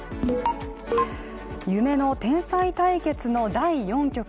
夢の天才対決の第４局。